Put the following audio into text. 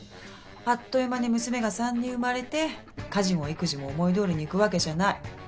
あっという間に娘が３人生まれて家事も育児も思いどおりにいくわけじゃない。